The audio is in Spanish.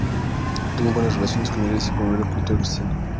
Tuvo buenas relaciones con la iglesia, y promovió la cultura cristiana.